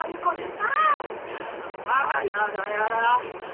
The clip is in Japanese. あやだやだ。